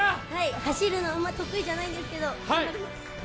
入るのあんまり得意じゃないんですけど頑張ります。